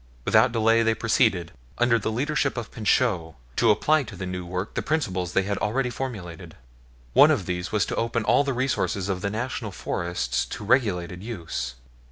Without delay they proceeded, under the leadership of Pinchot, to apply to the new work the principles they had already formulated. One of these was to open all the resources of the National Forests to regulated use.